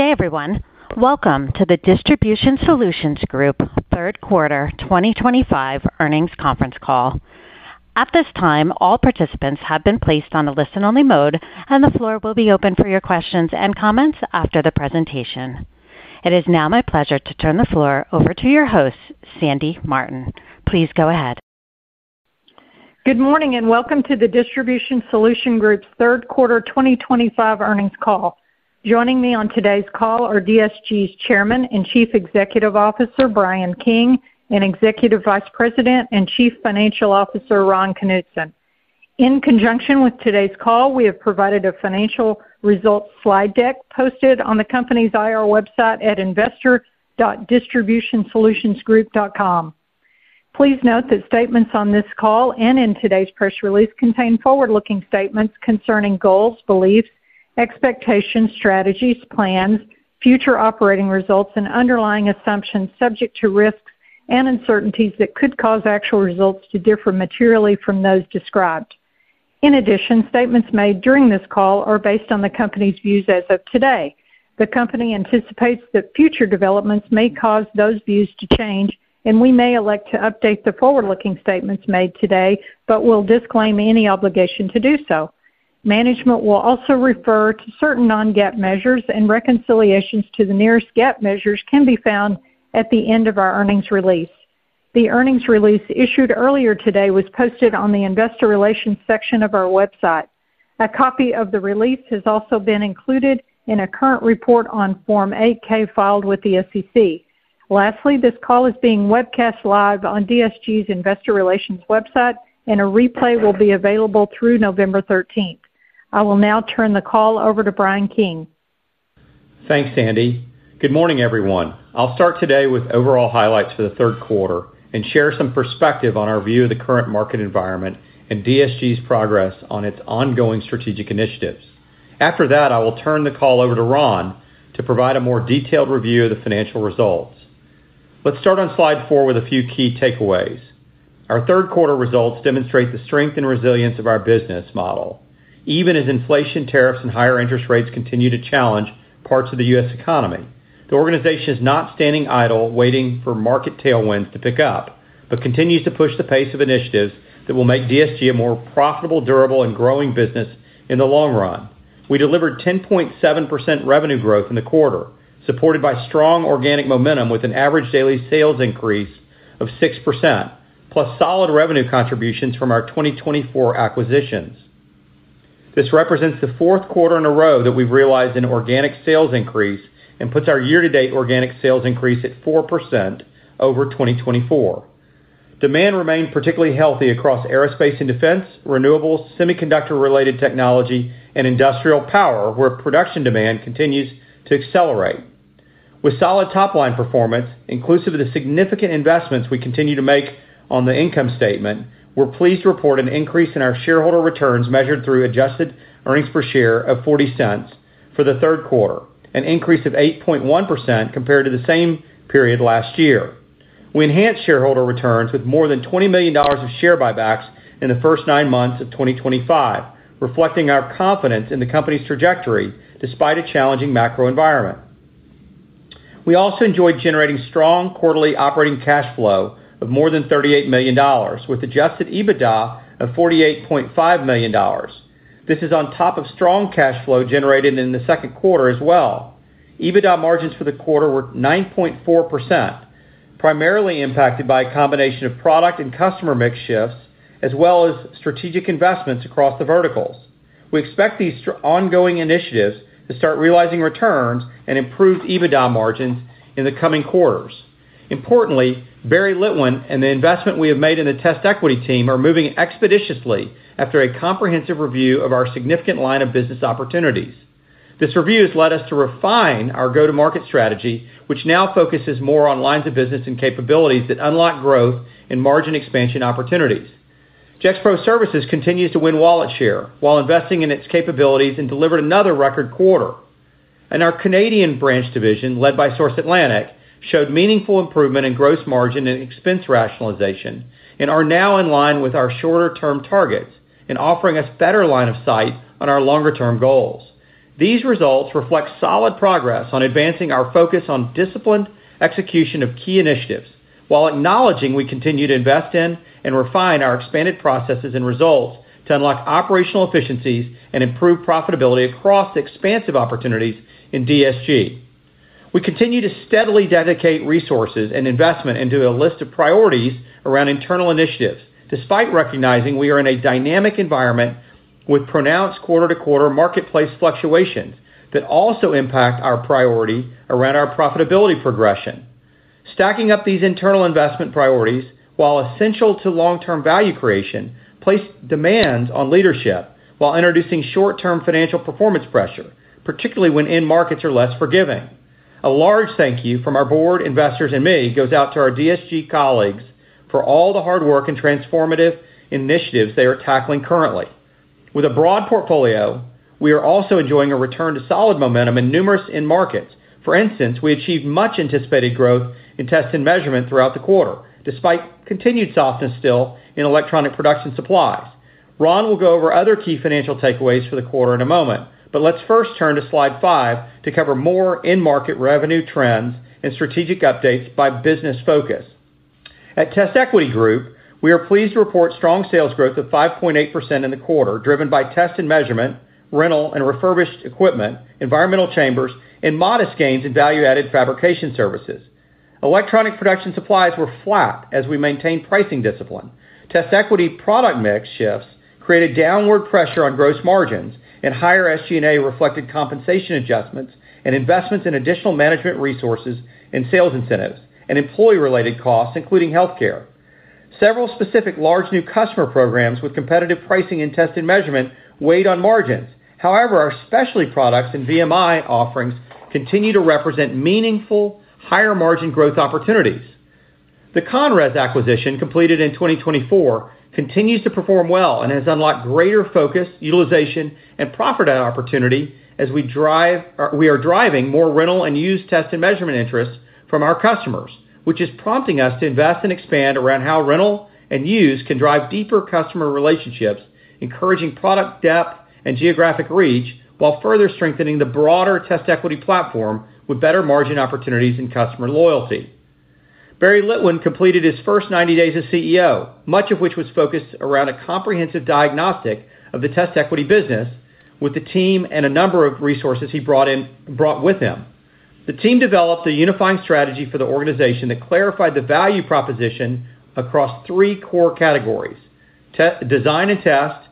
Good day everyone. Welcome to the Distribution Solutions Group third quarter 2025 earnings conference call. At this time, all participants have been placed on a listen only mode and the floor will be open for your questions and comments after the presentation. It is now my pleasure to turn the floor over to your host, Sandy Martin. Please go ahead. Good morning and welcome. To the Distribution Solutions Group's third quarter 2025 earnings call. Joining me on today's call are DSG's Chairman and Chief Executive Officer Bryan King and Executive Vice President and Chief Financial Officer Ron Knutson. In conjunction with today's call, we have provided a financial results slide deck posted on the company's IR website at investor.distributionsolutionsgroup.com. Please note that statements on this call and in today's press release contain forward-looking statements concerning goals, beliefs, expectations, strategies, plans, future operating results, and underlying assumptions subject to risks and uncertainties that could cause actual results to differ materially from those described. In addition, statements made during this call are based on the Company's views as of today. The Company anticipates that future developments may cause those views to change and we may elect to update the forward-looking statements made today, but will disclaim any obligation to do so. Management will also refer to certain non-GAAP measures and reconciliations to the nearest GAAP measures can be found at the end of our earnings release. The earnings release issued earlier today was posted on the Investor Relations section of our website. A copy of the release has also been included in a current report on Form 8-K filed with the SEC. Lastly, this call is being webcast live on DSG's Investor Relations website and a replay will be available through November 13th. I will now turn the call over to J. Bryan King. Thanks, Sandy. Good morning, everyone. I'll start today with overall highlights for the third quarter and share some perspective on our view of the current market environment and Distribution Solutions Group's progress on its ongoing strategic initiatives. After that, I will turn the call over to Ron to provide a more detailed review of the financial results. Let's start on slide 4 with a few key takeaways. Our third quarter results demonstrate the strength and resilience of our business model even as inflation, tariffs, and higher interest rates continue to challenge parts of the U.S. economy. The organization is not standing idle waiting for market tailwinds to pick up, but continues to push the pace of initiatives that will make Distribution Solutions Group a more profitable, durable, and growing business in the long run. We delivered 10.7% revenue growth in the quarter, supported by strong organic momentum with an average daily sales increase of 6%, plus solid revenue contributions from our 2024 acquisitions. This represents the fourth quarter in a row that we've realized an organic sales increase and puts our year-to-date organic sales increase at 4% over 2024. Demand remained particularly healthy across aerospace and defense, renewables, semiconductor-related technology, and industrial power, where production demand continues to accelerate. With solid top line performance inclusive of the significant investments we continue to make on the income statement, we're pleased to report an increase in our shareholder returns measured through adjusted earnings per share of $0.40 for the third quarter, an increase of 8.1% compared to the same period last year. We enhanced shareholder returns with more than $20 million of share buybacks in the first nine months of 2025, reflecting our confidence in the company's trajectory despite a challenging macro environment. We also enjoyed generating strong quarterly operating cash flow of more than $38 million with adjusted EBITDA of $48.5 million. This is on top of strong cash flow generated in the second quarter as well. EBITDA margins for the quarter were 9.4%, primarily impacted by a combination of product and customer mix shifts as well as strategic investments across the verticals. We expect these ongoing initiatives to start realizing returns and improved EBITDA margins in the coming quarters. Importantly, Barry Litwin and the investment we have made in the TestEquity team are moving expeditiously after a comprehensive review of our significant line of business opportunities. This review has led us to refine our go-to-market strategy, which now focuses more on lines of business and capabilities that unlock growth and margin expansion opportunities. Gexpro Services continues to win wallet share while investing in its capabilities and delivered another record quarter, and our Canadian branch division led by Source Atlantic showed meaningful improvement in gross margin and expense rationalization and are now in line with our shorter-term targets and offering us better line of sight on our longer-term goals. These results reflect solid progress on advancing our focus on disciplined execution of key initiatives, while acknowledging we continue to invest in and refine our expanded processes and results to unlock operational efficiencies and improve profitability across expansive opportunities. In DSG, we continue to steadily dedicate resources and investment into a list of priorities around internal initiatives despite recognizing we are in a dynamic environment with pronounced quarter-to-quarter marketplace fluctuations that also impact our priority around our profitability progression. Stacking up these internal investment priorities, while essential to long-term value creation, places demands on leadership while introducing short-term financial performance pressure, particularly when end markets are less forgiving. A large thank you from our board, investors, and me goes out to our DSG colleagues for all the hard work and transformative initiatives they are tackling. Currently, with a broad portfolio, we are also enjoying a return to solid momentum in numerous end markets. For instance, we achieved much-anticipated growth in test and measurement throughout the quarter despite continued softness still in electronic production supplies. Ron will go over other key financial takeaways for the quarter in a moment, but let's first turn to Slide 5 to cover more in-market revenue trends and strategic updates by business focus. At TestEquity Group, we are pleased to report strong sales growth of 5.8% in the quarter driven by test and measurement, rental and refurbished equipment, environmental chambers, and modest gains in value-added fabrication services. Electronic production supplies were flat as we maintained pricing discipline. TestEquity product mix shifts created downward pressure on gross margins and higher SG&A reflected compensation adjustments and investments in additional management resources and sales incentives and employee related costs including health care. Several specific large new customer programs with competitive pricing and test and measurement weighed on margins. However, our specialty products and VMI offerings continue to represent meaningful higher margin growth opportunities. The Conres acquisition, completed in 2024, continues to perform well and has unlocked greater focus, utilization, and profit opportunity as we are driving more rental and used test and measurement interest from our customers, which is prompting us to invest and expand around how rental and used can drive deeper customer relationships, encouraging product depth and geographic reach while further strengthening the broader TestEquity platform with better margin opportunities and customer loyalty. Barry Litwin completed his first 90 days as CEO, much of which was focused around a comprehensive diagnostic of the TestEquity business with the team and a number of resources he brought with him. The team developed a unifying strategy for the organization that clarified the value proposition across three core: design and test,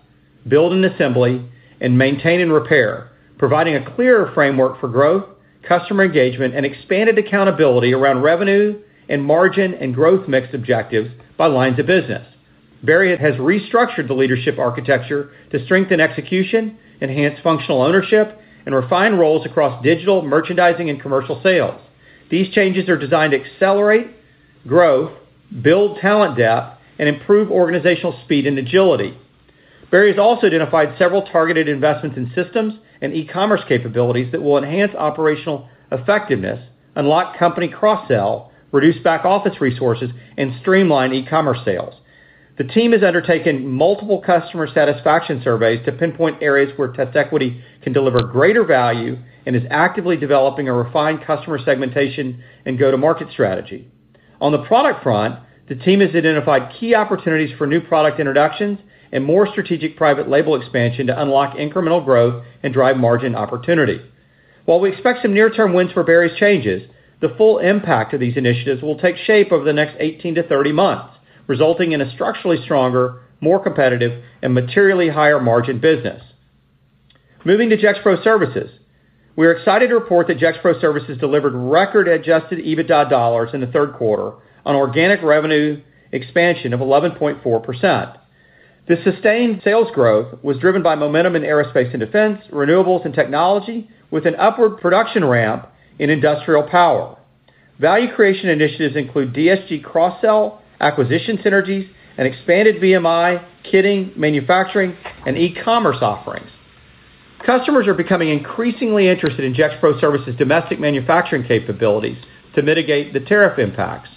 build and assembly, and maintain and repair, providing a clearer framework for growth, customer engagement, and expanded accountability around revenue and margin and growth mix objectives by lines of business. Barry has restructured the leadership architecture to strengthen execution, enhance functional ownership, and refine roles across digital merchandising and commercial sales. These changes are designed to accelerate growth, build talent depth, and improve organizational speed and agility. Barry has also identified several targeted investments in systems and e-commerce capabilities that will enhance operational effectiveness, unlock company cross-sell, reduce back office resources, and streamline e-commerce sales. The team has undertaken multiple customer satisfaction surveys to pinpoint areas where TestEquity can deliver greater value and is actively developing a refined customer segmentation and go-to-market strategy. On the product front, the team has identified key opportunities for new product introductions and more strategic private label expansion to unlock incremental growth and drive margin opportunity. While we expect some near term wins for various changes, the full impact of these initiatives will take shape over the next 18 to 30 months, resulting in a structurally stronger, more competitive, and materially higher margin business. Moving to Gexpro Services, we are excited to report that Gexpro Services delivered record adjusted EBITDA dollars in the third quarter on organic revenue expansion of 11.4%. The sustained sales growth was driven by momentum in aerospace and defense, renewables, and technology with an upward production ramp in industrial power. Value creation initiatives include DSG cross-sell acquisition synergies and expanded VMI kitting, manufacturing, and e-commerce offerings. Customers are becoming increasingly interested in Gexpro Services' domestic manufacturing capabilities to mitigate the tariff impacts.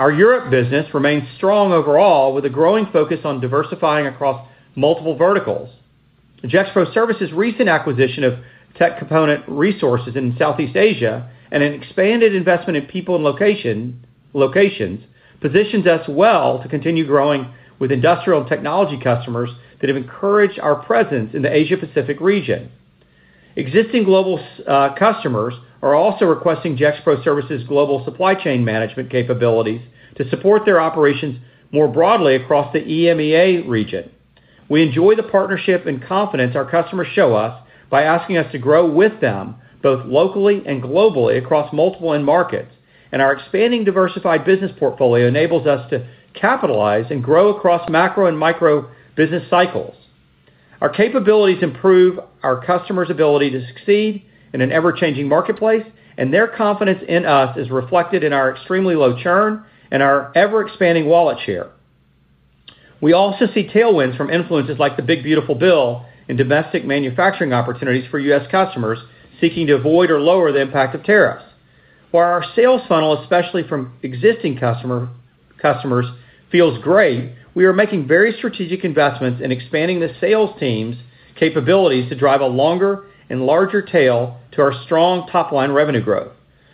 Our Europe business remains strong overall with a growing focus on diversifying across multiple verticals. Gexpro Services' recent acquisition of Tech Component Resources in Southeast Asia and an expanded investment in people and locations positions us well to continue growing with industrial and technology customers that have encouraged our presence in the Asia Pacific region. Existing global customers are also requesting Gexpro Services' global supply chain management capabilities to support their operations more broadly across the EMEA region. We enjoy the partnership and confidence our customers show us by asking us to grow with them both locally and globally across multiple end markets, and our expanding diversified business portfolio enables us to capitalize and grow across macro and micro business cycles. Our capabilities improve our customers' ability to succeed in an ever-changing marketplace, and their confidence in us is reflected in our extremely low churn and our ever-expanding wallet share. We also see tailwinds from influences like the Big Beautiful Bill and domestic manufacturing opportunities for U.S. customers seeking to avoid or lower the impact of tariffs. While our sales funnel, especially from existing customers, feels great, we are making very strategic investments in expanding the sales team's capabilities to drive a longer and larger tail to our strong top line revenue growth.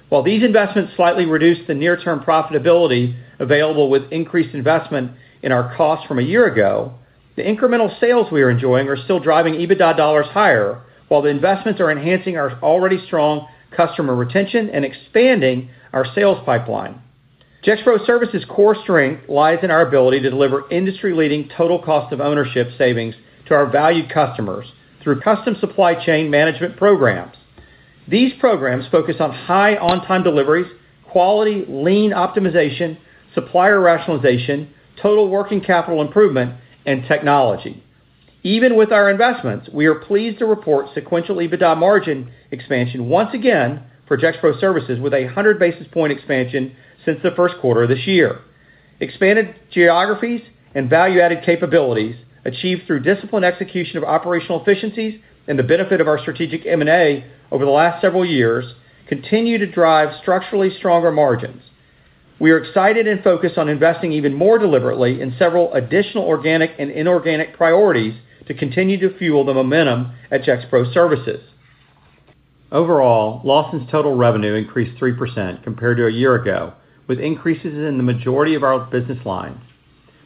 While these investments slightly reduce the near term profitability available with increased investment in our costs from a year ago, the incremental sales we are enjoying are still driving EBITDA dollars higher while the investments are enhancing our already strong customer retention and expanding our sales pipeline. Gexpro Services' core strength lies in our ability to deliver industry leading total cost of ownership savings to our valued customers through custom supply chain management programs. These programs focus on high on time deliveries, quality, lean optimization, supplier rationalization, total working capital improvement, and technology. Even with our investments, we are pleased to report sequential EBITDA margin expansion once again for Gexpro Services with a 100 basis point expansion since the first quarter of this year. Expanded geographies and value added capabilities achieved through disciplined execution of operational efficiencies and the benefit of our strategic M&A over the last several years continue to drive structurally stronger margins. We are excited and focused on investing even more deliberately in several additional organic and inorganic priorities to continue to fuel the momentum at Gexpro Services. Overall, Lawson Products' total revenue increased 3% compared to a year ago, with increases in the majority of our business lines.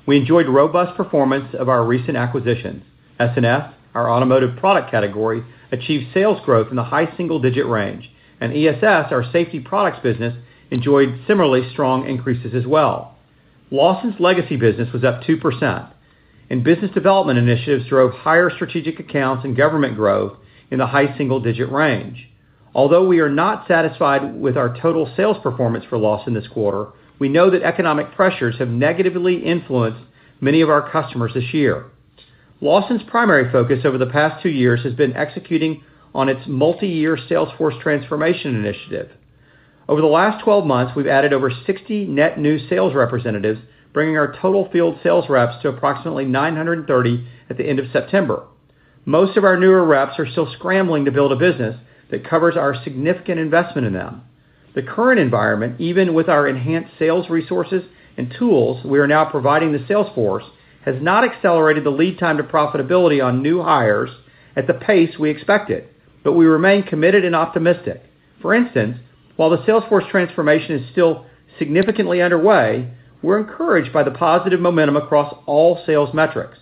We enjoyed robust performance of our recent acquisitions S&S. Our automotive product category achieved sales growth in the high single digit range and S&S. Our safety products business enjoyed similarly strong increases as well. Lawson Products' legacy business was up 2% and business development initiatives drove higher strategic accounts and government growth in the high single digit range. Although we are not satisfied with our total sales performance for Lawson Products this quarter, we know that economic pressures have negatively influenced many of our customers this year. Lawson Products' primary focus over the past two years has been executing on its multi year sales force transformation initiative. Over the last 12 months we've added over 60 net new sales representatives, bringing our total field sales reps to approximately 930 at the end of September. Most of our newer reps are still scrambling to build a business that covers our significant investment in them. The Current Environment Even with our enhanced sales resources and tools we are now providing, the sales force has not accelerated the lead time to profitability on new hires at the pace we expected, but we remain committed and optimistic. For instance, while the sales force transformation is still significantly underway, we're encouraged by the positive momentum across all sales metrics.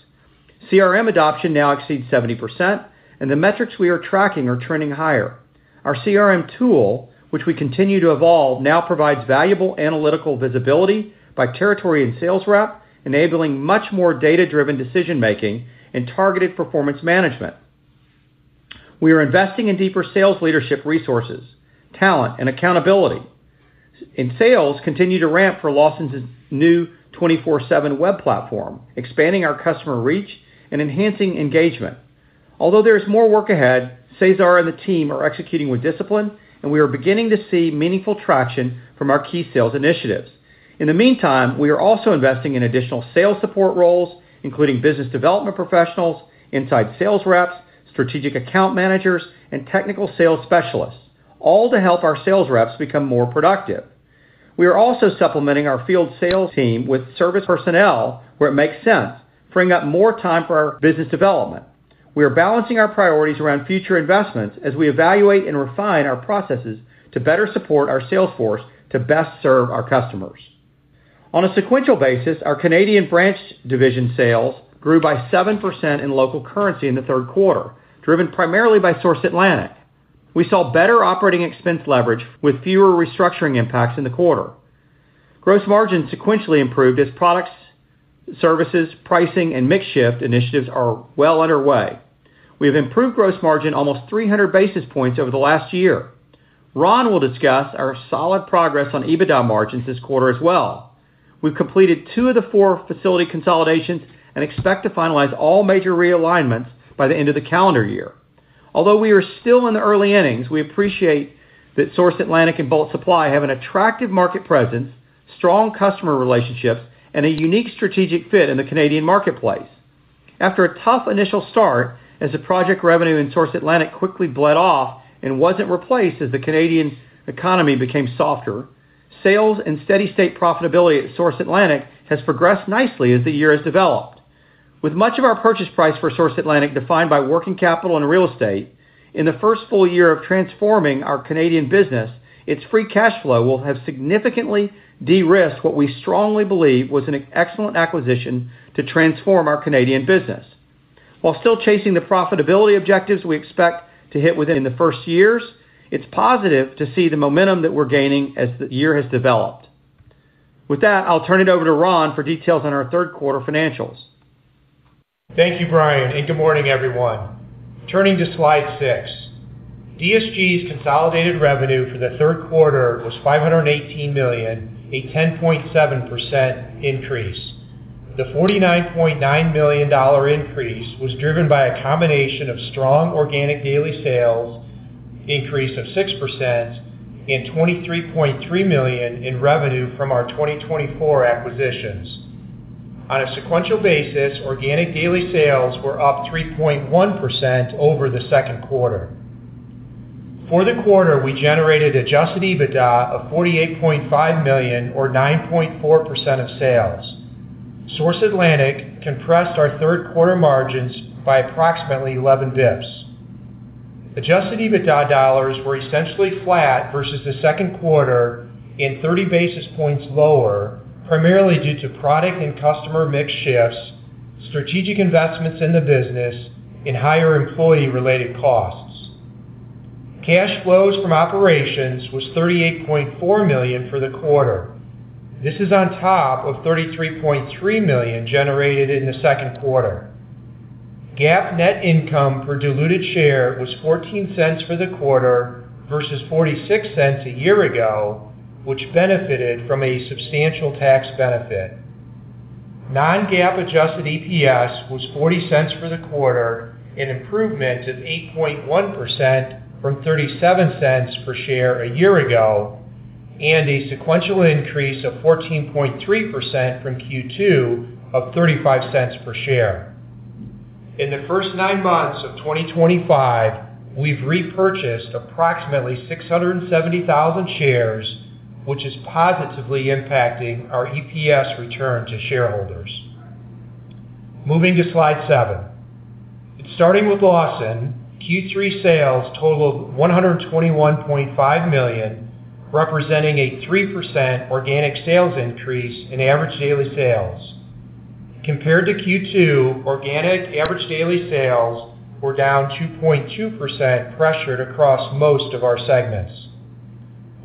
CRM adoption now exceeds 70% and the metrics we are tracking are trending higher. Our CRM tool, which we continue to evolve, now provides valuable analytical visibility by territory and sales rep, enabling much more data-driven decision making and targeted performance management. We are investing in deeper sales leadership resources, talent, and accountability, and sales continue to ramp for Lawson's new 24.7 web platform, expanding our customer reach and enhancing engagement. Although there is more work ahead, Cesar and the team are executing with discipline and we are beginning to see meaningful traction from our key sales initiatives. In the meantime, we are also investing in additional sales support roles, including business development professionals, inside sales reps, strategic account managers, and technical sales specialists, all to help our sales reps become more productive. We are also supplementing our field sales team with service personnel where it makes sense, freeing up more time for our business development. We are balancing our priorities around future investments as we evaluate and refine our processes to better support our sales force to best serve our customers on a sequential basis. Our Canadian branch division sales grew by 7% in local currency in the third quarter, driven primarily by Source Atlantic. We saw better operating expense leverage with fewer restructuring impacts in the quarter. Gross margins sequentially improved as products, services, pricing, and mix shift initiatives are well underway. We have improved gross margin almost 300 basis points over the last year. Ron will discuss our solid progress on EBITDA margins this quarter as well. We've completed two of the four facility consolidations and expect to finalize all major realignments by the end of the calendar year. Although we are still in the early innings, we appreciate that Source Atlantic and Bolt Supply have an attractive market presence, strong customer relationships, and a unique strategic fit in the Canadian marketplace. After a tough initial start as the project revenue in Source Atlantic quickly bled off and wasn't replaced as the Canadian economy became softer, sales and steady state profitability at Source Atlantic has progressed nicely as the year has developed. With much of our purchase price for Source Atlantic defined by working capital and real estate, in the first full year of transforming our Canadian business, its free cash flow will have significantly de-risked what we strongly believe was an excellent acquisition to transform our Canadian business while still chasing the profitability objectives we expect to hit within the first years. It's positive to see the momentum that we're gaining as the year has developed. With that, I'll turn it over to Ron for details on our third quarter financials. Thank you, Bryan, and good morning, everyone. Turning to Slide 6, DSG's consolidated revenue for the third quarter was $518 million, a 10.7% increase. The $49.9 million increase was driven by a combination of strong organic daily sales increase of 6% and $23.3 million in revenue from our 2024 acquisitions. On a sequential basis, organic daily sales were up 3.1% over the second quarter. For the quarter, we generated adjusted EBITDA of $48.5 million or 9.4% of sales. Source Atlantic compressed our third quarter margins by approximately 11 bps. Adjusted EBITDA dollars were essentially flat versus the second quarter and 30 basis points lower, primarily due to product and customer mix shifts, strategic investments in the business, and higher employee-related costs. Cash flows from operations was $38.4 million for the quarter. This is on top of $33.3 million generated in the second quarter. GAAP net income per diluted share was $0.14 for the quarter versus $0.46 a year ago, which benefited from a substantial tax benefit. Non-GAAP adjusted EPS was $0.40 for the quarter, an improvement of 8.1% from $0.37 per share a year ago and a sequential increase of 14.3% from Q2 of $0.35 per share. In the first nine months of 2025, we've repurchased approximately 670,000 shares, which is positively impacting our EPS return to shareholders. Moving to Slide 7, starting with Lawson, Q3 sales totaled $121.5 million, representing a 3% organic sales increase in average daily sales. Compared to Q2, organic average daily sales were down 2.2%, pressured across most of our segments.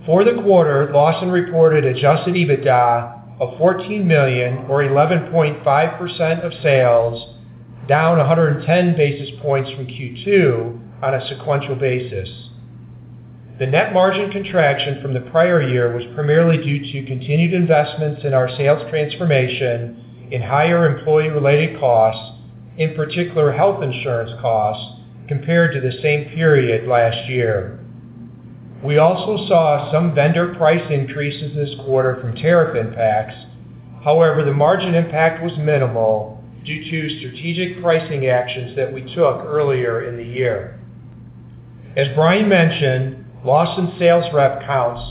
For the quarter, Lawson reported adjusted EBITDA of $14 million or 11.5% of sales, down 110 basis points from Q2 on a sequential basis. The net margin contraction from the prior year was primarily due to continued investments in our sales transformation and higher employee-related costs, in particular health insurance costs compared to the same period last year. We also saw some vendor price increases this quarter from tariff impacts. However, the margin impact was minimal due to strategic pricing actions that we took earlier in the year. As Bryan mentioned, Lawson sales rep counts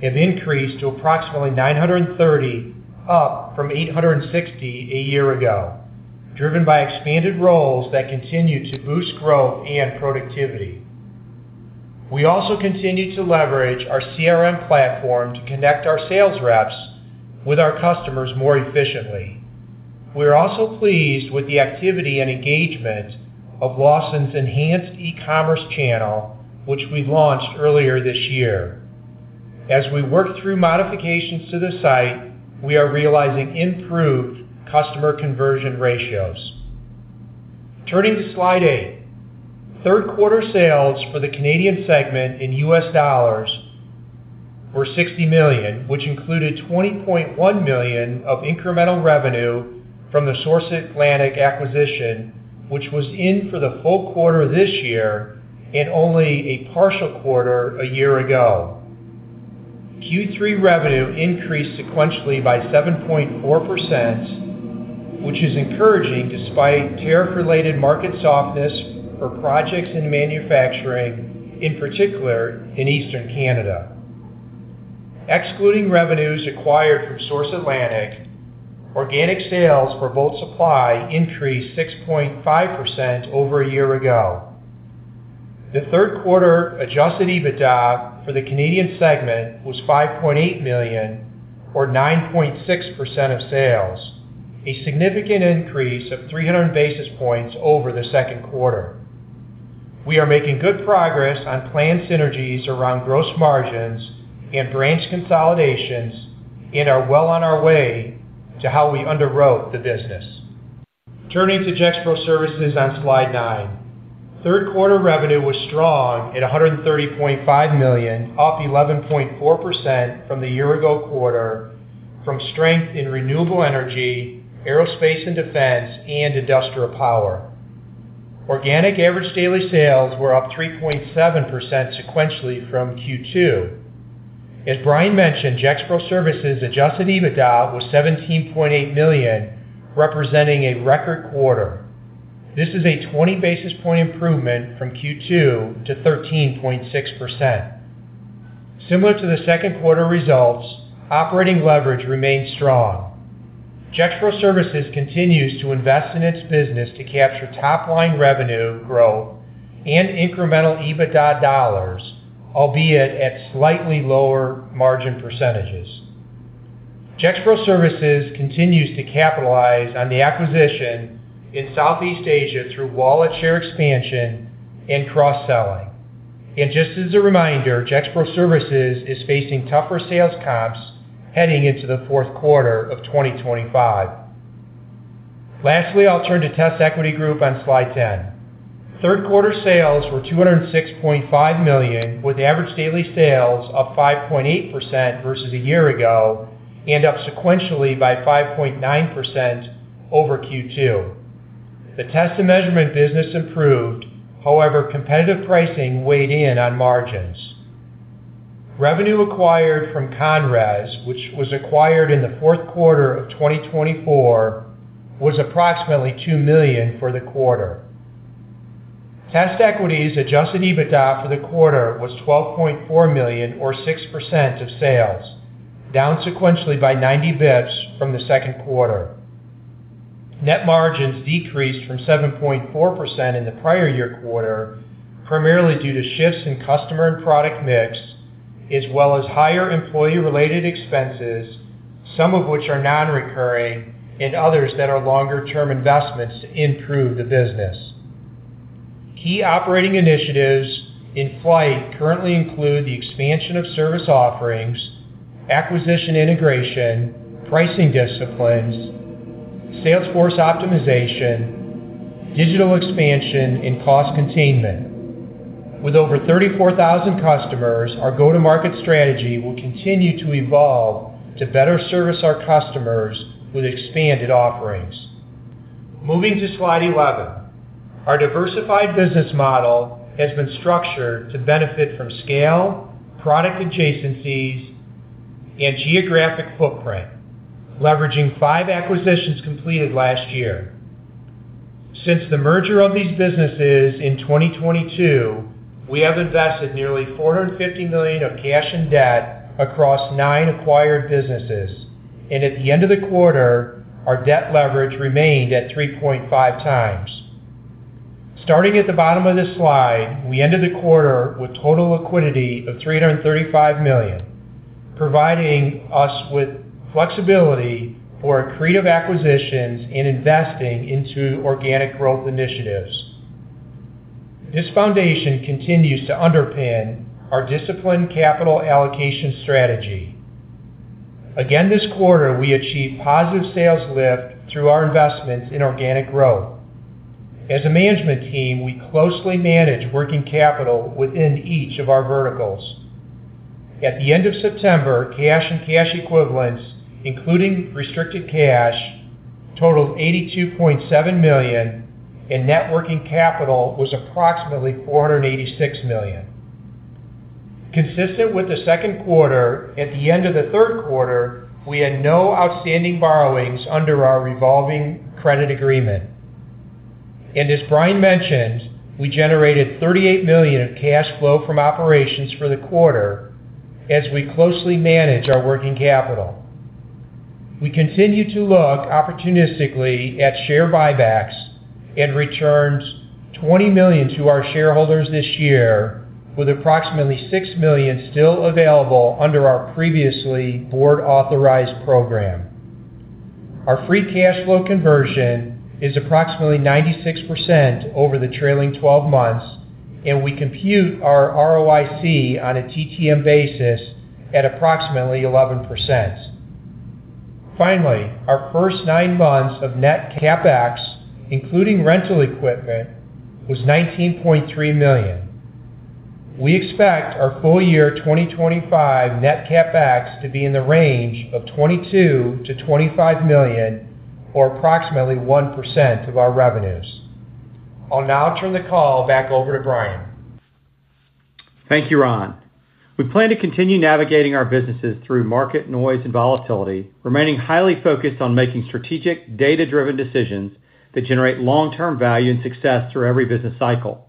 have increased to approximately 930, up from 860 a year ago, driven by expanded roles that continue to boost growth and productivity. We also continue to leverage our CRM platform to connect our sales reps with our customers more efficiently. We are also pleased with the activity and engagement of Lawson's enhanced e-commerce channel, which we launched earlier this year. As we work through modifications to the site, we are realizing improved customer conversion ratios. Turning to Slide 8, third quarter sales for the Canadian segment in U.S. dollars were $60 million, which included $20.1 million of incremental revenue from the Source Atlantic acquisition, which was in for the full quarter this year and only a partial quarter a year ago. Q3 revenue increased sequentially by 7.4%, which is encouraging despite tariff-related market softness for projects in manufacturing, in particular in Eastern Canada. Excluding revenues acquired from Source Atlantic, organic sales for Bolt Supply increased 6.5% over a year ago. The third quarter adjusted EBITDA for the Canadian segment was $5.8 million or 9.6% of sales, a significant increase of 300 basis points over the second quarter. We are making good progress on planned synergies around gross margins and branch consolidations and are well on our way to how we underwrote the business. Turning to Gexpro Services on Slide 9, third quarter revenue was strong at $130.5 million, up 11.4% from the year-ago quarter from strength in renewable energy, aerospace and defense, and industrial power. Organic average daily sales were up 3.7% sequentially from Q2. As Bryan mentioned, Gexpro Services adjusted EBITDA was $17.8 million, representing a record quarter. This is a 20 basis point improvement from Q2 to 13.6%. Similar to the second quarter results, operating leverage remains strong. Gexpro Services continues to invest in its business to capture top line revenue growth and incremental EBITDA dollars, albeit at slightly lower margin percentages. Gexpro Services continues to capitalize on the acquisition in Southeast Asia through wallet share expansion and cross selling. Just as a reminder, Gexpro Services is facing tougher sales comps heading into the fourth quarter of 2025. Lastly, I'll turn to TestEquity Group on Slide 10. Third quarter sales were $206.5 million with average daily sales up 5.8% versus a year ago and up sequentially by 5.9% over Q2. The test and measurement business improved, however, competitive pricing weighed in on margins. Revenue acquired from Conres, which was acquired in the fourth quarter of 2024, was approximately $2 million for the quarter. TestEquity Group's adjusted EBITDA for the quarter was $12.4 million or 6% of sales, down sequentially by 90 bps from the second quarter. Net margins decreased from 7.4% in the prior year quarter primarily due to shifts in customer and product mix as well as higher employee-related expenses, some of which are non-recurring and others that are longer-term investments to improve the business. Key operating initiatives in flight currently include the expansion of service offerings, acquisition integration, pricing disciplines, sales force optimization, digital expansion, and cost containment. With over 34,000 customers, our go-to-market strategy will continue to evolve to better service our customers with expanded offerings. Moving to slide 11, our diversified business model has been structured to benefit from scale, product adjacencies, and geographic footprint, leveraging five acquisitions completed last year. Since the merger of these businesses in 2022, we have invested nearly $450 million of cash and debt across nine acquired businesses, and at the end of the quarter our debt leverage remained at 3.5x. Starting at the bottom of this slide, we ended the quarter with total liquidity of $335 million, providing us with flexibility for accretive acquisitions and investing into organic growth initiatives. This foundation continues to underpin our disciplined capital allocation strategy. Again this quarter we achieved positive sales lift through our investments in organic growth. As a management team, we closely manage working capital within each of our verticals. At the end of September, cash and cash equivalents including restricted cash totaled $82.7 million and net working capital was approximately $486 million, consistent with the second quarter. At the end of the third quarter, we had no outstanding borrowings under our revolving credit agreement, and as J. Bryan King mentioned, we generated $38 million of cash flow from operations for the quarter. As we closely manage our working capital, we continue to look opportunistically at share buybacks and returns. $20 million to our shareholders this year with approximately $6 million still available under our previously board-authorized program. Our free cash flow conversion is approximately 96% over the trailing 12 months, and we compute our ROIC on a TTM basis at approximately 11%. Finally, our first nine months of net CapEx including rental equipment was $19.3 million. We expect our full year 2025 net CapEx to be in the range of $22-$25 million or approximately 1% of our revenues. I'll now turn the call back over to Bryan. Thank you, Ron. We plan to continue navigating our businesses through market noise and volatility, remaining highly focused on making strategic data-driven decisions that generate long-term value and success through every business cycle.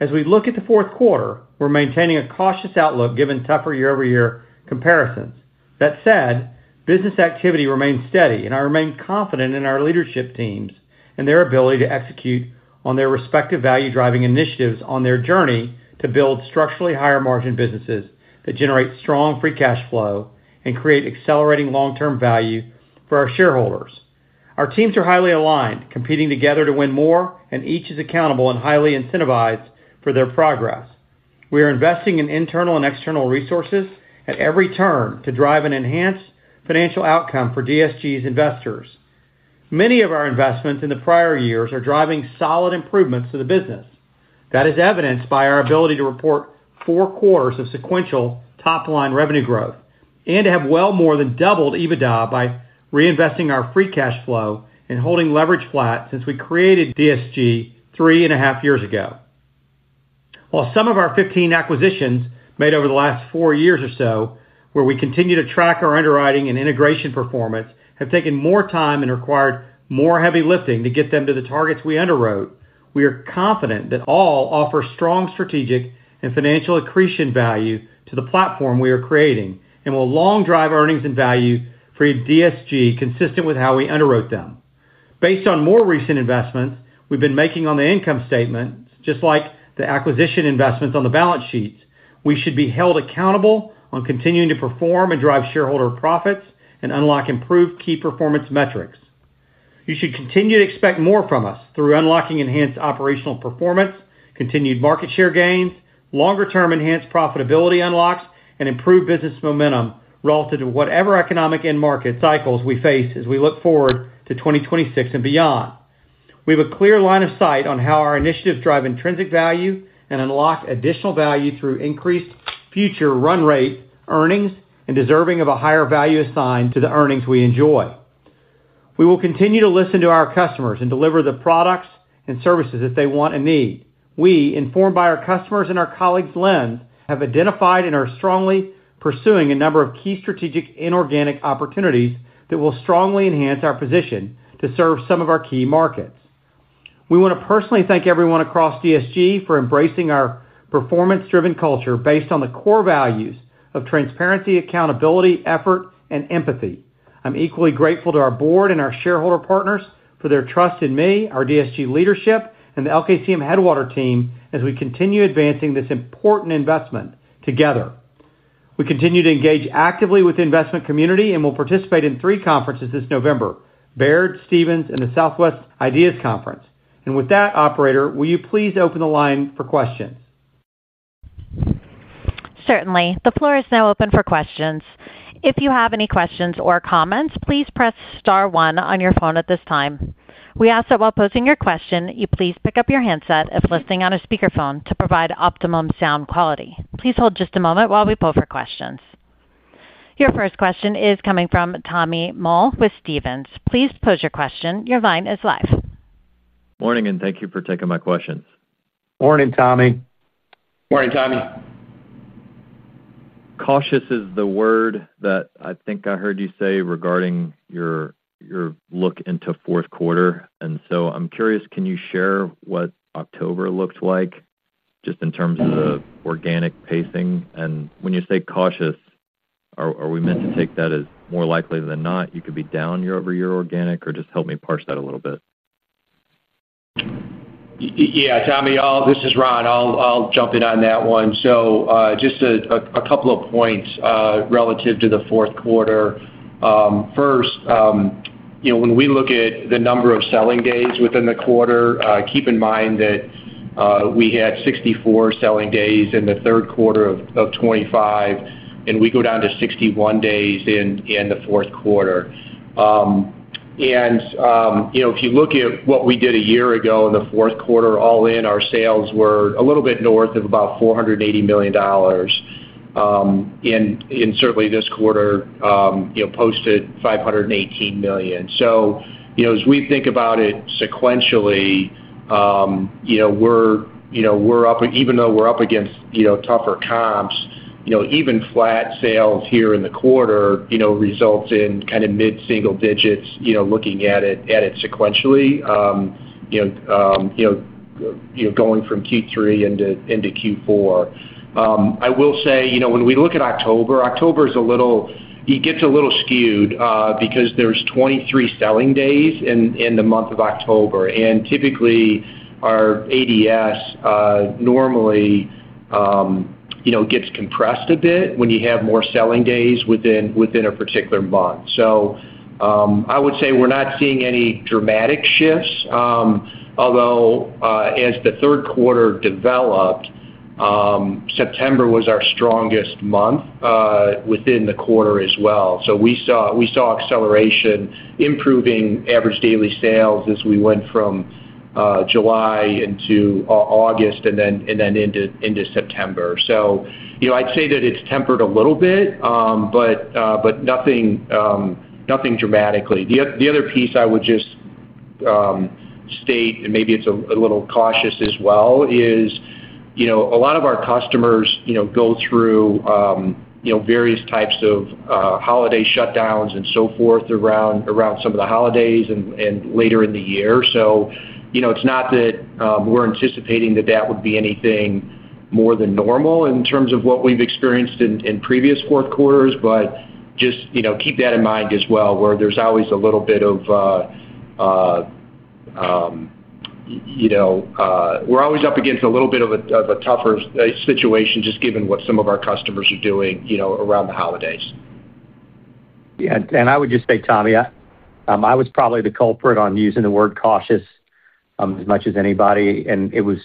As we look at the fourth quarter, we're maintaining a cautious outlook given tougher year-over-year comparisons. That said, business activity remains steady and I remain confident in our leadership teams and their ability to execute on their respective value-driving initiatives on their journey to build structurally higher margin businesses that generate strong free cash flow and create accelerating long-term value for our shareholders. Our teams are highly aligned, competing together to win more, and each is accountable and highly incentivized for their progress. We are investing in internal and external resources at every turn to drive an enhanced financial outcome for DSG's investors. Many of our investments in the prior years are driving solid improvements to the business. That is evidenced by our ability to report four quarters of sequential top-line revenue growth and to have well more than doubled EBITDA by reinvesting our free cash flow and holding leverage flat since we created DSG three and a half years ago. While some of our 15 acquisitions made over the last four years or so, where we continue to track our underwriting and integration performance, have taken more time and required more heavy lifting to get them to the targets we underwrote, we are confident that all offer strong strategic and financial accretion value to the platform we are creating and will long drive earnings and value for DSG consistent with how we underwrote them. Based on more recent investments we've been making on the income statement, just like the acquisition investments on the balance sheets, we should be held accountable on continuing to perform and drive shareholder profits and unlock improved key performance metrics. You should continue to expect more from us through unlocking enhanced operational performance, continued market share gains, longer-term enhanced profitability unlocks, and improved business momentum relative to whatever economic end market cycles we face. As we look forward to 2026 and beyond, we have a clear line of sight on how our initiatives drive intrinsic value and unlock additional value through increased future run rate earnings and deserving of a higher value assigned to the earnings we enjoy. We will continue to listen to our customers and deliver the products and services that they want and need. We, informed by our customers and our colleagues, have identified and are strongly pursuing a number of key strategic inorganic opportunities that will strongly enhance our position to serve some of our key markets. We want to personally thank everyone across Distribution Solutions Group for embracing our performance-driven culture based on the core values of transparency, accountability, effort, and empathy. I'm equally grateful to our board and our shareholder partners for their trust in me, our Distribution Solutions Group leadership, and the LKCM Headwater team as we continue advancing this important investment. Together we continue to engage actively with the investment community and will participate in three conferences this November: Baird, Stevens, and the Southwest Ideas Conference. With that, operator, will you please open the line for questions? Certainly. The floor is now open for questions. If you have any questions or comments, please press Star one on your phone at this time. We ask that while posing your question you please pick up your handset if listening on a speakerphone to provide optimum sound quality. Please hold just a moment while we poll for questions. Your first question is coming from Tommy Moll with Stevens. Please pose your question. Your line is live. Morning and thank you. you for taking my questions. Morning Tommy. Morning Tommy. Cautious is the word that I think I heard you say regarding your look into fourth quarter, and I'm curious, can you share what October looks like just in terms of the organic pacing? When you say cautious, are we meant to take that as more likely than not? You could be down year-over-year organic, or just help me parse that a little bit. Yes, Tommy, this is Ron. I'll jump in on that one. Just a couple of points relative to the fourth quarter. First, when we look at the number of selling days within the quarter, keep in mind that we had 64 selling days in Q3 2025 and we go down to 61 days at the end of the fourth quarter. If you look at what we did a year ago in the fourth quarter, all in, our sales were a little bit north of about $480 million. Certainly, this quarter posted $518 million. As we think about it sequentially, we're up. Even though we're up against tougher comps, even flat sales here in the quarter result in kind of mid single digits. Looking at it sequentially, going from Q3 into Q4, I will say when we look at October, October is a little skewed because there's 23 selling days in the month of October. Typically, our ads normally get compressed a bit when you have more selling days within a particular month. I would say we're not seeing any dramatic shifts. As the third quarter developed, September was our strongest month within the quarter as well. We saw acceleration improvements, average daily sales as we went from July into August and then into September. I'd say that it's tempered a little bit, but nothing dramatically. The other piece I would just state, and maybe it's a little cautious as well, is a lot of our customers go through various types of holiday shutdowns and so forth around some of the holidays later in the year. It's not that we're anticipating that that would be anything more than normal in terms of what we've experienced in previous fourth quarters. Just keep that in mind as well, where there's always a little bit of, we're always up against a little bit of a tougher situation just given what some of our customers are doing around the holidays. Yeah. I would just say, Tommy, I was probably the culprit on using the word cautious as much as anybody. It was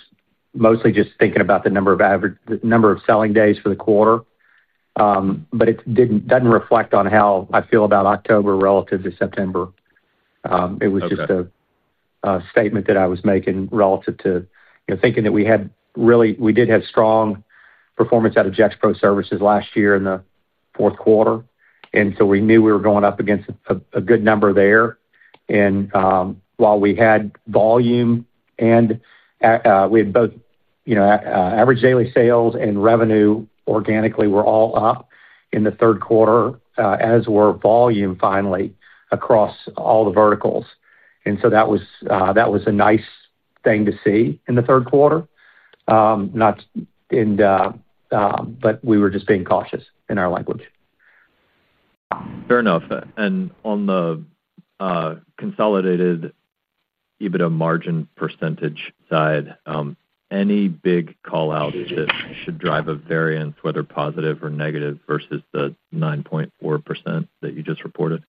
mostly just thinking about the average number of selling days for the quarter. It doesn't reflect on how I feel about October relative to September. It was just a statement that I was making relative to thinking that we had really strong performance out of Gexpro Services last year in the fourth quarter. We knew we were going up against a good number there. While we had volume and we had both, you know, average daily sales and revenue organically were all up in the third quarter, as were volume finally across all the verticals. That was a nice thing to see in the third quarter, but we were just being cautious in our language. Fair enough. On the consolidated EBITDA margin percentage side, any big call out that should drive a variance whether positive or negative versus the 9.4% that you just reported?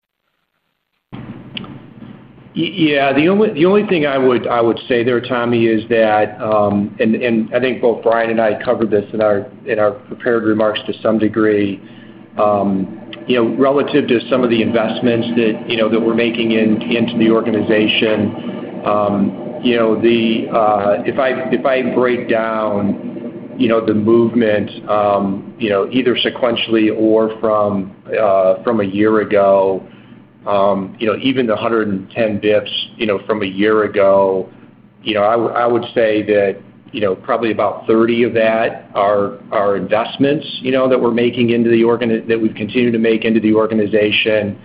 Yes. The only thing I would say there, Tommy, is that I think both Bryan and I covered this in our prepared remarks to some degree relative to some of the investments that we're making into the organization. If I break down the movement either sequentially or from a year ago, even the 110 bps from a year ago, I would say that probably about 30 of that are investments that we're making that we've continued to make into the organization.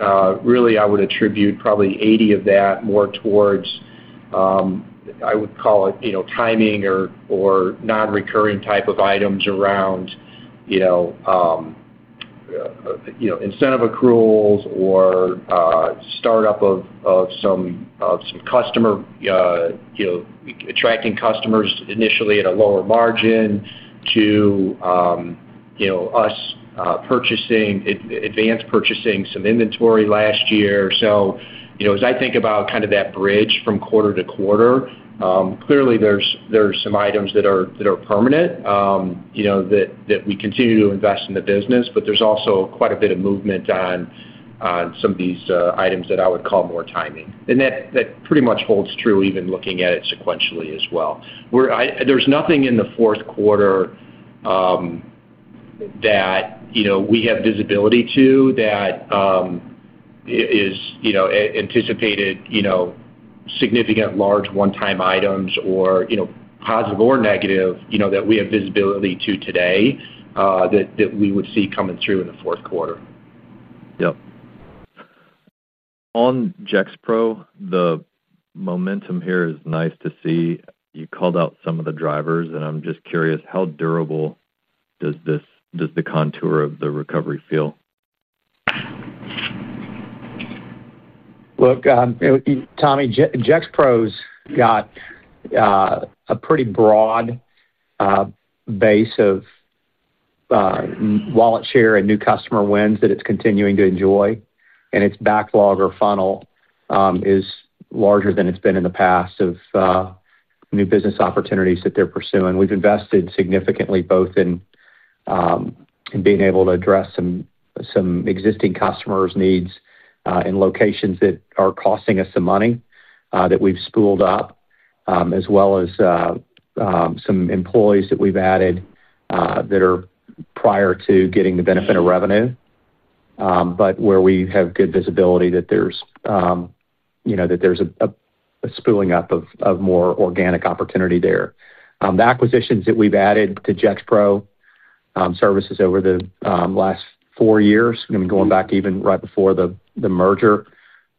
I would attribute probably 80 of that more towards what I would call timing or non-recurring type of items around incentive accruals or startup of some customers, attracting customers initially at a lower margin to us purchasing advance, purchasing some inventory last year. As I think about that bridge from quarter to quarter, clearly there are some items that are permanent that we continue to invest in the business. There's also quite a bit of movement on some of these items that I would call more timing, and that pretty much holds true even looking at it sequentially as well. There's nothing in the fourth quarter that we have visibility to that is anticipated significant, large one-time items, positive or negative, that we have visibility to today that we would see coming through in the fourth quarter. Yep. On Gexpro Services, the momentum here is nice to see. You called out some of the drivers, and I'm just curious how durable this is, does the contour of the recovery feel. Gexpro Services has got a pretty broad base of wallet share and new customer wins that it's continuing to enjoy, and its backlog or funnel is larger than it's been in the past of new business opportunities that they're pursuing. We've invested significantly both in being able to address some existing customers' needs in locations that are costing us some money that we've spooled up, as well as some employees that we've added that are prior to getting the benefit of revenue. Where we have good visibility, there's a spooling up of more organic opportunity there. The acquisitions that we've added to Gexpro Services over the last four years, going back even right before the merger,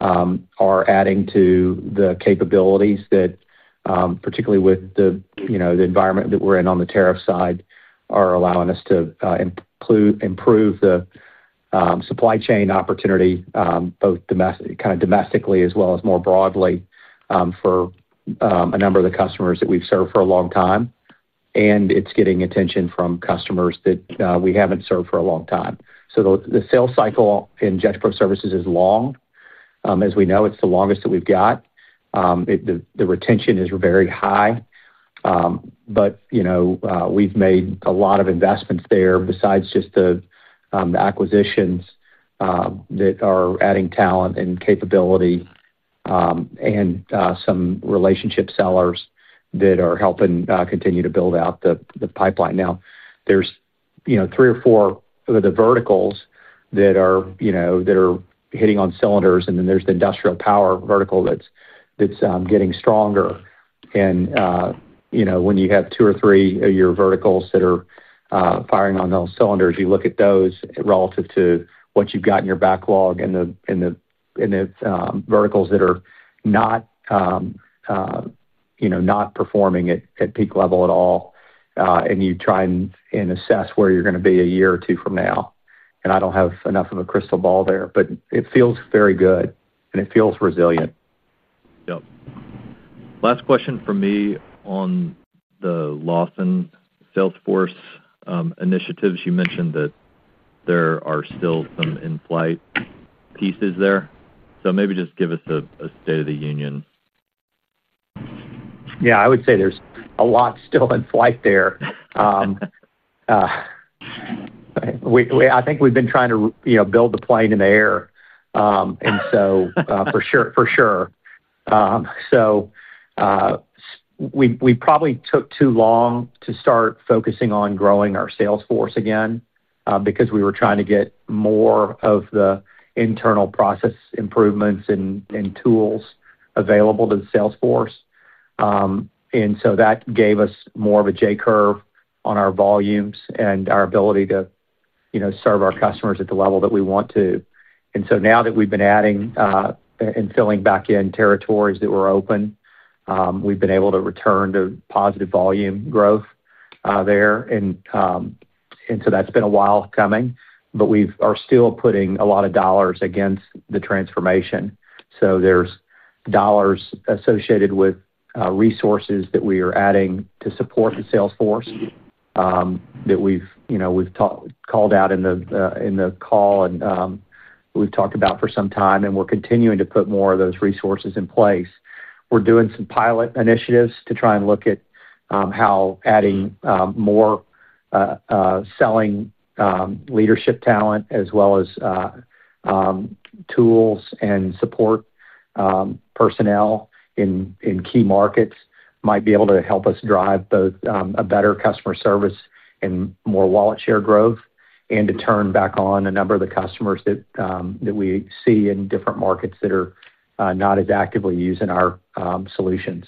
are adding to the capabilities that, particularly with the environment that we're in on the tariff side, are allowing us to improve the supply chain opportunity both domestically as well as more broadly for a number of the customers that we've served for a long time. It's getting attention from customers that we haven't served for a long time. The sales cycle in Gexpro Services is long, as we know. It's the longest that we've got, the retention is very high. We've made a lot of investments there besides just the acquisitions that are adding talent and capability and some relationship sellers that are helping continue to build out the pipeline. Now, there's three or four of the verticals that are hitting on cylinders, and then there's the industrial power vertical that's getting stronger. When you have two or three of your verticals that are firing on those cylinders, you look at those relative to what you've got in your backlog and verticals that are not performing at peak level at all, and you try and assess where you're going to be a year or two from now. I don't have enough of a crystal ball there, but it feels very good and it feels resilient. Last question for me on the Lawson Products sales force initiatives. You mentioned that there are still some in-flight pieces there, so maybe just give us a state of the union. Yeah, I would say there's a lot still in flight there. I think we've been trying to build the plane in the air, for sure. So. We probably took too long to start focusing on growing our sales force again because we were trying to get more of the internal process improvements and tools available to the sales force. That gave us more of a J curve on our volumes and our ability to serve our customers at the level that we want to. Now that we've been adding and filling back in territories that were open, we've been able to return to positive volume growth there. That's been a while coming, but we are still putting a lot of dollars against the transformation. There are dollars associated with resources that we are adding to support the sales force that we've called out in the call and talked about for some time, and we're continuing to put more of those resources in place. We're doing some pilot initiatives to try and look at how adding more selling leadership, talent as well as tools and support personnel in key markets might be able to help us drive both a better customer service and more wallet share growth and to turn back on a number of the customers that we see in different markets that are not as actively using our solutions.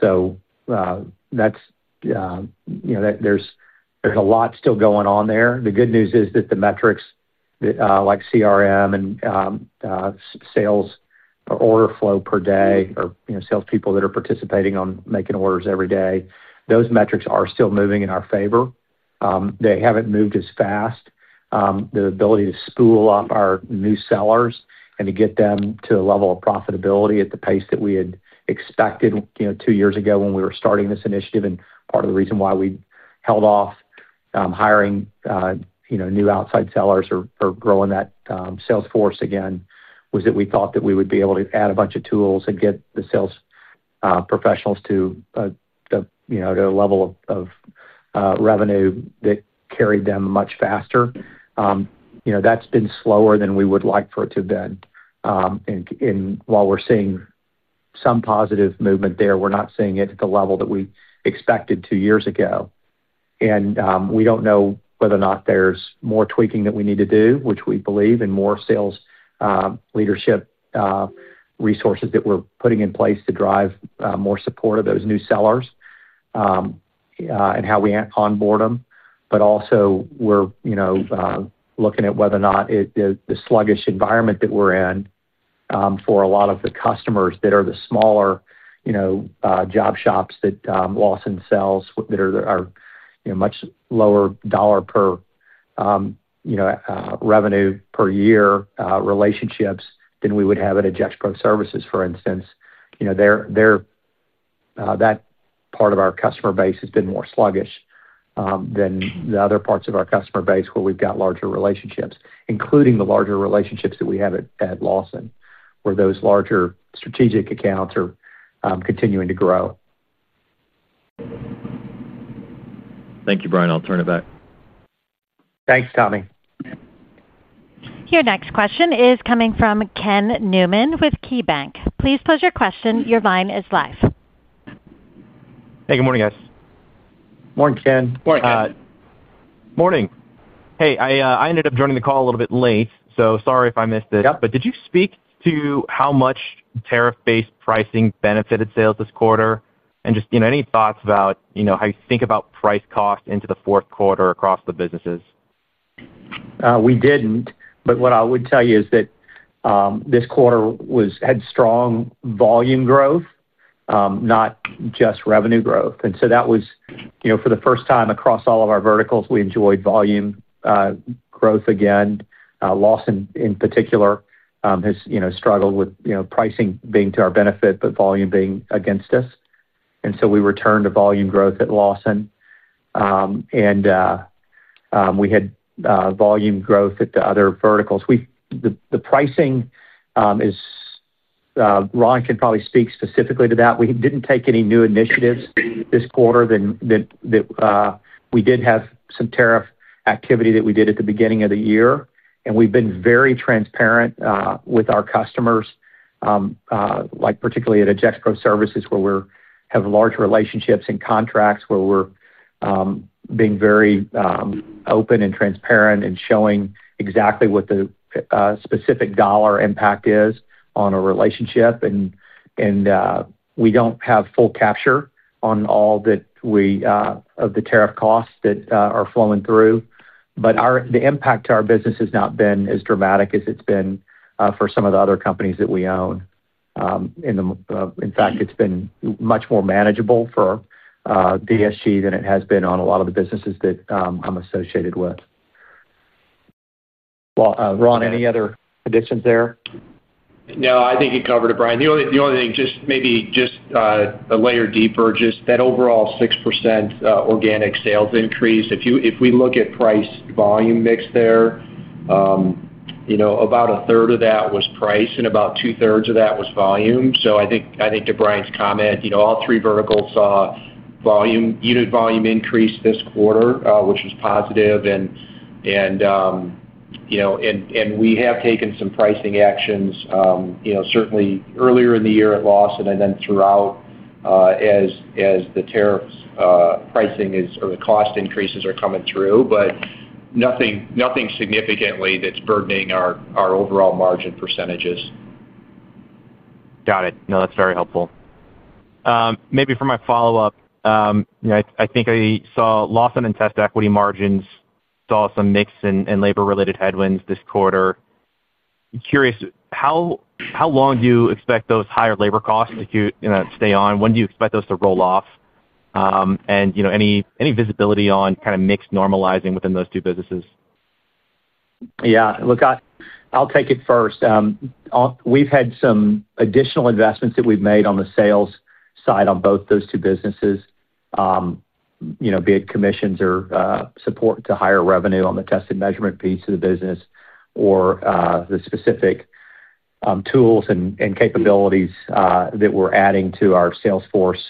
There's a lot still going on there. The good news is that the metrics like CRM and sales or order flow per day or salespeople that are participating on making orders every day, those metrics are still moving in our favor. They haven't moved as fast. The ability to spool up our new sellers and to get them to a level of profitability at the pace that we had expected two years ago when we were starting this initiative. Part of the reason why we held off hiring new outside sellers or growing that sales force again was that we thought that we would be able to add a bunch of tools and get the sales professionals to a level of revenue that carried them much faster. That's been slower than we would like for it to have been. While we're seeing some positive movement there, we're not seeing it at the level that we expected two years ago. We don't know whether or not there's more tweaking that we need to do, which we believe in more sales leadership resources that we're putting in place to drive more support of those new sellers and how we onboard them. We are also looking at whether or not the sluggish environment that we're in for a lot of the customers that are the smaller job shops that Lawson Products sells, that are much lower dollar per, you know, revenue per year relationships than we would have at a Gexpro Services, for instance. That part of our customer base has been more sluggish than the other parts of our customer base where we've got larger relationships, including the larger relationships that we have at Lawson Products where those larger strategic accounts are continuing to grow. Thank you, Bryan. I'll turn it back. Thanks, Tommy. Your next question is coming from Ken Newman with KeyBank. Please pose your question. Your line is live. Hey, good morning, guys. Morning, Ken. Morning, Ken. Morning. Hey, I ended up joining the call. A little bit late, so sorry. I missed it, but did you speak to how much tariff-based pricing benefited sales this quarter, and just any thoughts about how you think about price cost into the fourth quarter across the businesses? We didn't. What I would tell you is that this quarter had strong volume growth, not just revenue growth. That was for the first time across all of our verticals, we enjoyed volume growth again. Lawson in particular has struggled with pricing being to our benefit, but volume being against us. We returned to volume growth at Lawson and we had volume growth at the other verticals. The pricing is. Ron can probably speak specifically to that. We didn't take any new initiatives this quarter, but we did have some tariff activity that we did at the beginning of the year and we've been very transparent with our customers, particularly at Gexpro Services where we have large relationships and contracts where we're being very open and transparent and showing exactly what the specific dollar impact is on a relationship. We don't have full capture on all of the tariff costs that are flowing through, but the impact to our business has not been as dramatic as it's been for some of the other companies that we own. In fact, it's been much more manageable for Distribution Solutions Group than it has been on a lot of the businesses that I'm associated with. Ron, any other additions there? No, I think you covered it, Bryan. The only thing, just maybe a layer deeper, just that overall 6% organic sales increase. If we look at price, volume, mix. There. About a third of that was price and about 2/3 of that was volume. I think to Bryan's comment, all three verticals saw volume, unit volume increase this quarter, which was positive. We have taken some pricing actions certainly earlier in the year at Lawson and then throughout as the tariffs pricing is or the cost increases are coming through, but nothing significantly that's burdening our overall margin percentages. Got it. No, that's very helpful. Maybe for my follow up, I think I saw loss on TestEquity margins, saw some mix and labor related headwinds this quarter. Curious. How long do you expect those higher labor costs to stay on? When do you expect those to roll off, and any visibility on kind of mix normalizing within those two businesses? Yeah, look, I'll take it. First, we've had some additional investments that we've made on the sales side on both those two businesses, be it commissions or support to higher revenue on the test and measurement piece of the business, or the specific tools and capabilities that we're adding to our salesforce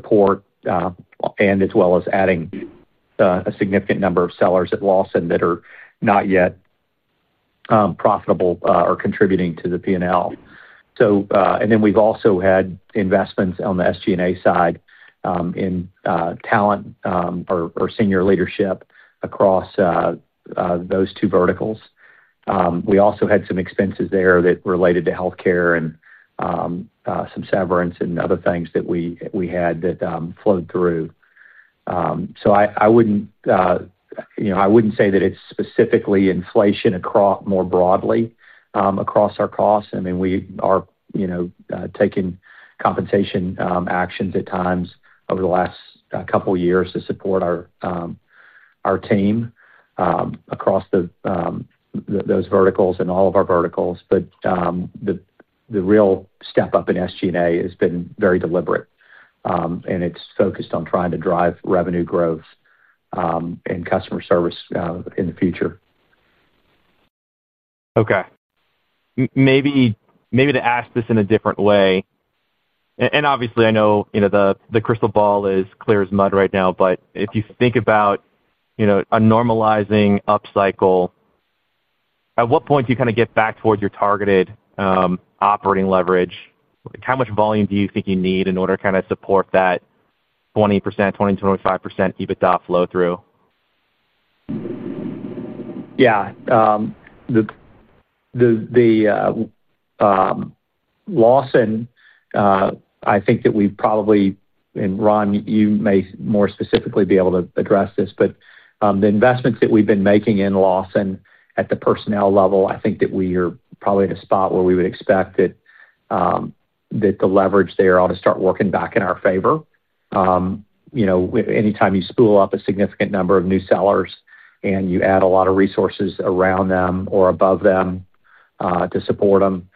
support, as well as adding a significant number of sellers at Lawson that are not yet profitable or contributing to the P&L. We've also had investments on the SG&A side in talent or senior leadership across those two verticals. We also had some expenses there that related to healthcare and some severance and other things that we had that flowed through. I wouldn't say that it's specifically inflation more broadly across our costs. I mean, we are taking compensation actions at times over the last couple years to support our team across those verticals and all of our verticals. The real step up in SG&A has been very deliberate, and it's focused on trying to drive revenue growth and customer service in the future. Okay. Maybe to ask this in a different way, obviously, I know the crystal ball is clear as mud right now, but if you think about a normalizing upcycle, at what point do you kind of get back towards your targeted operating leverage? How much volume do you think you need in order to kind of support that 20%, 20%, 25% EBITDA flow through? Yeah. The. Lawson. I think that we probably, and Ron, you may more specifically be able to address this, but the investments that we've been making in Lawson at the personnel level, I think that we are probably at a spot where we would expect that the leverage there ought to start working back in our favor. Anytime you spool up a significant number of new sellers and you add a lot of resources around them or above them to support them,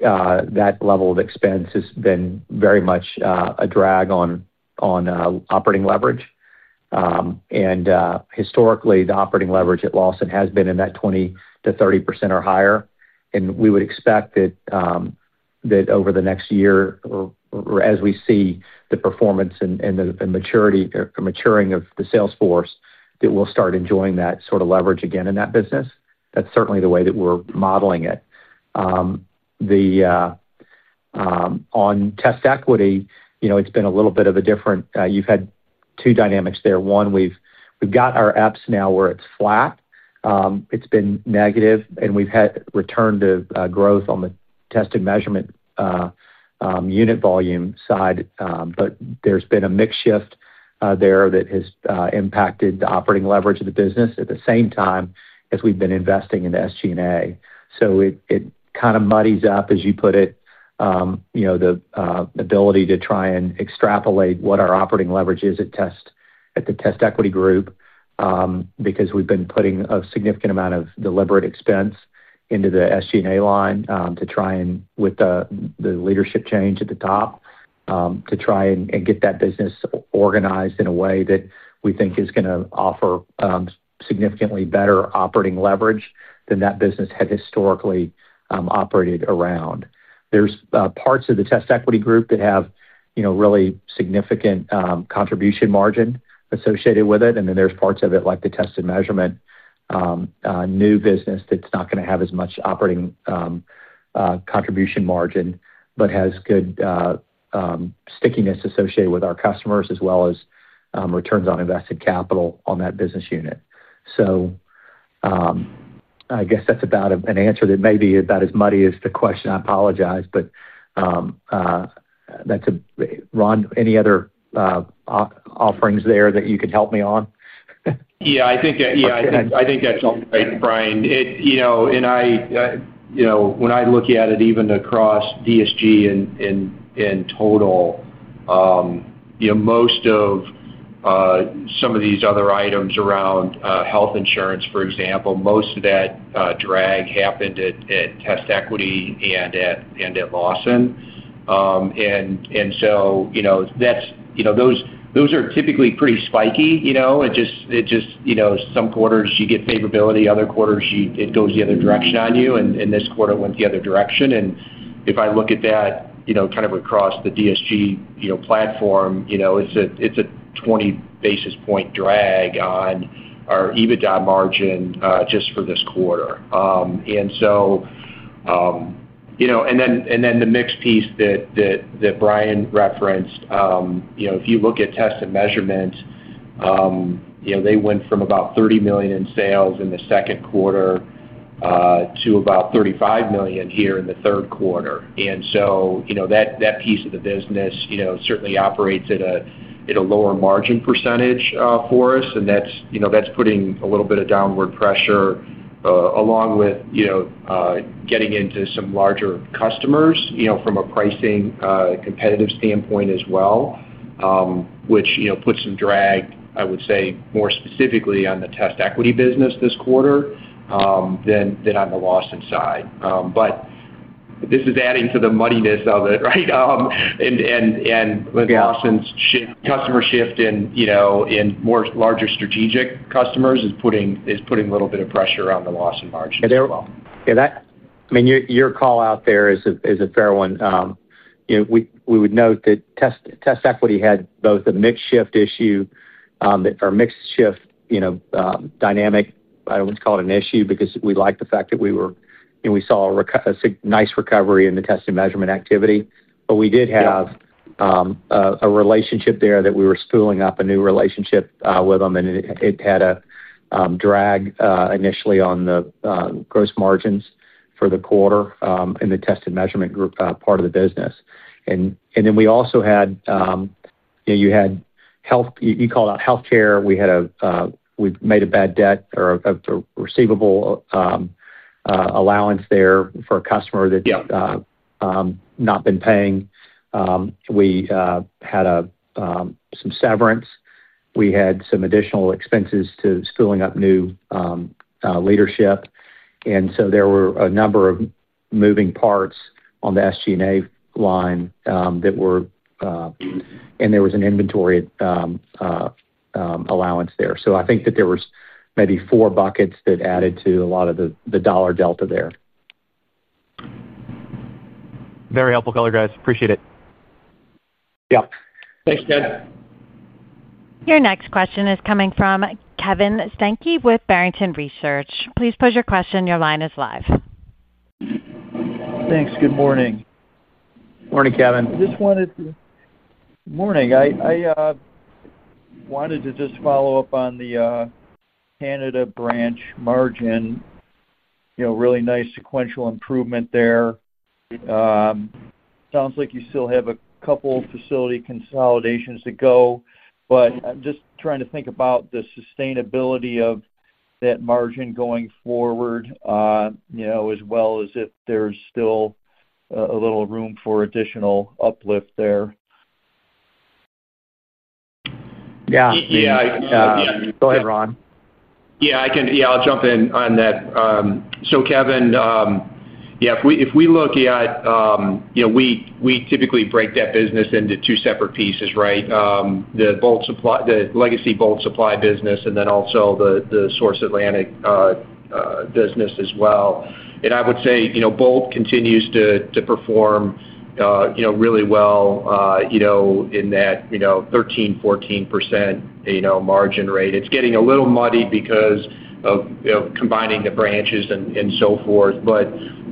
that level of expense has been very much a drag on operating leverage. Historically, the operating leverage at Lawson has been in that 20% to 30% or higher. We would expect that over the next year, or as we see the performance and maturing of the sales force, that we'll start enjoying that sort of leverage again in that business. That's certainly the way that we're modeling it. On TestEquity Group, it's been a little bit different. You've had two dynamics there. One, we've got our EPS now where it's flat, it's been negative, and we've had return to growth on the test and measurement unit volume side. There's been a mix shift there that has impacted the operating leverage of the business at the same time as we've been investing in SG&A. It kind of muddies up, as you put it, the ability to try and extrapolate what our operating leverage is at TestEquity Group, because we've been putting a significant amount of deliberate expense into the SG&A line to try, with the leadership change at the top, to get that business organized in a way that we think is going to offer significantly better operating leverage than that business had historically operated around. There are parts of the TestEquity Group that have really significant contribution margin associated with it, and then there are parts of it, like the test and measurement new business, that's not going to have as much operating contribution margin but has good stickiness associated with our customers as well as returns on invested capital on that business unit. I guess that's about an answer that may be about as muddy as the question. I apologize, but that's a. Ron, any other offerings there that you could help me on? Yeah, I think that's all right, Bryan. You know, when I look at it, even across Distribution Solutions Group in total, most of some of these other items around health insurance, for example, most of that drag happened at TestEquity Group and at Lawson Products. Those are typically pretty spiky. Some quarters you get favorability, other quarters it goes the other direction on you. This quarter went the other direction. If I look at that kind of across the Distribution Solutions Group platform, it's a 20 basis point drag on our EBITDA margin just for this quarter. The mixed piece that Bryan referenced, if you look at test and measurement, they went from about $30 million in sales in the second quarter to about $35 million here in the third quarter. That piece of the business certainly operates at a lower margin percentage for us. That's putting a little bit of downward pressure along with getting into some larger customers from a pricing competitive standpoint as well, which puts some drag, I would say, more specifically on the TestEquity Group business this quarter than on the Lawson Products side. This is adding to the muddiness of it. Lawson Products' customer shift in more larger strategic customers is putting a little bit of pressure on the Lawson margin. I mean, your call out there is a fair one. We would note that TestEquity Group had both a mix shift issue or mix shift, you know, dynamic. I always call it an issue because we like the fact that we were and we saw a nice recovery in the test and measurement activity. We did have a relationship there that we were spooling up, a new relationship with them, and it had a drag initially on the gross margins for the quarter in the test and measurement group part of the business. You had health, you called out health care. We made a bad debt or receivable allowance there for a customer that had not been paying. We had some severance. We had some additional expenses to spooling up new leadership. There were a number of moving parts on the SG&A line, and there was an inventory allowance there. I think that there were maybe four buckets that added to a lot of the dollar delta there. Very helpful color, guys. Appreciate it. Yeah, thanks, Ken. Your next question is coming from Kevin Steinke with Barrington Research. Please pose your question. Your line is live. Thanks. Good morning. Morning, Kevin. Morning. I wanted to just follow up on the Canada branch margin. Really nice sequential improvement there. It sounds like you still have a couple facility consolidations to go. I'm just trying to think about the sustainability of that margin going forward. As well as if there's still a little room for additional uplift there. Yeah, go ahead, Ron. Yeah, I can. I'll jump in on that. So, Kevin, if we look at, we typically break that business into two separate pieces, right? The Bolt Supply, the legacy Bolt Supply business, and then also the Source Atlantic business as well. I would say Bolt continues to perform really well in that, you know, 13, 14% margin rate. It's getting a little muddy because of combining the branches and so forth.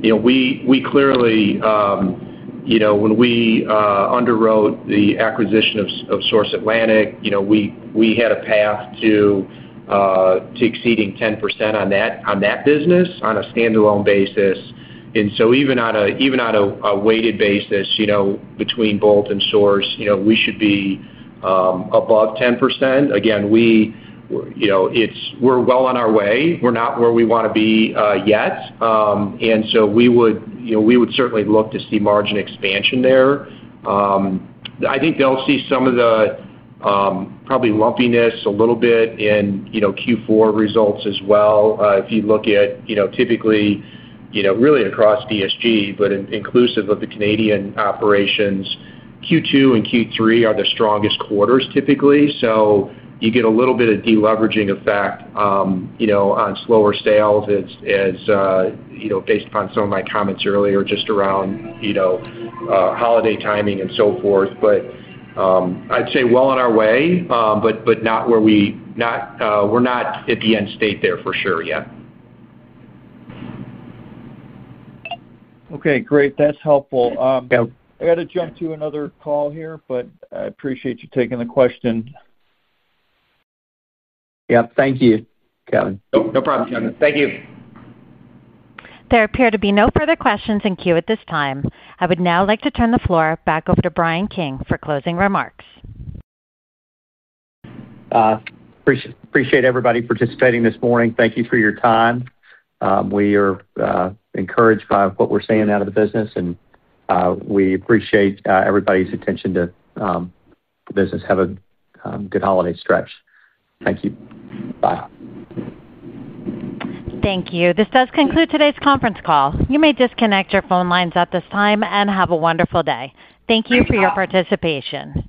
We clearly, when we underwrote the acquisition of Source Atlantic, had a path to exceeding 10% on that business on a standalone basis. Even on a weighted basis between Bolt and Source, we should be above 10% again. We're well on our way. We're not where we want to be yet. We would certainly look to see margin expansion there. I think they'll see some of the probably lumpiness a little bit in Q4 results as well. If you look at typically really across DSG, but inclusive of the Canadian operations, Q2 and Q3 are the strongest quarters typically. You get a little bit of deleveraging effect on slower sales based upon some of my comments earlier, just around holiday timing and so forth, but I'd say we're on our way, but not where we, we're not at the end state there for sure yet. Okay, great. That's helpful. I got to jump to another call here, but I appreciate you taking the question. Yep, thank you, Kevin. No problem, Kevin. Thank you. There appear to be no further questions in queue at this time. I would now like to turn the floor back over to J. Bryan King for closing remarks. Appreciate everybody participating this morning. Thank you for your time. We are encouraged by what we're seeing out of the business, and we appreciate everybody's attention to the business. Have a good holiday stretch. Thank you. Bye. Thank you. This does conclude today's conference call. You may disconnect your phone lines at this time and have a wonderful day. Thank you for your participation.